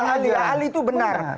ali itu benar